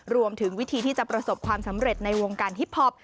รวมถึงวิธีที่จะประสบความสำเร็จในวงการฮิปพอป